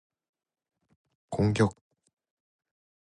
공격!